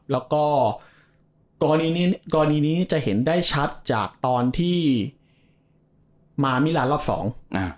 แล้วก็กรณีนี้จะเห็นได้ชัดจากตอนที่มามิราณรอบสอง